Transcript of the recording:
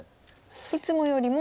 いつもよりも。